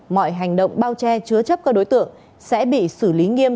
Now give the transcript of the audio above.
mọi hành động bao che chứa chấp các đối tượng sẽ bị xử lý nghiêm